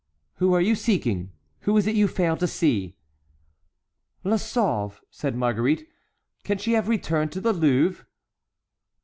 "Whom are you seeking? Who is it you fail to see?" "La Sauve," said Marguerite; "can she have returned to the Louvre?"